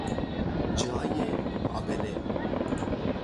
جای آبله